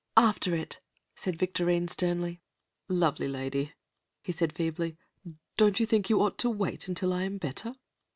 "After It," said Victorine sternly. "Lovely lady," he said feebly, "don't you think you ought to wait until I am better?"